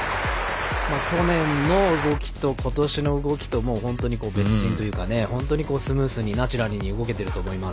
去年の動きと今年の動きと別人というかスムーズにナチュラルに動けていると思います。